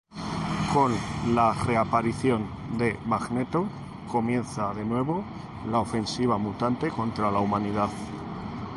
Con la reaparición de Magneto, comienzan de nuevo la ofensiva mutante contra la humanidad.